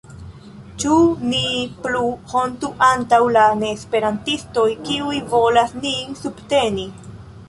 Ĉu ni plu hontu antaŭ la neesperantistoj kiuj volas nin subteni?